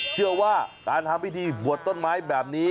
เชื่อว่าการทำพิธีบวชต้นไม้แบบนี้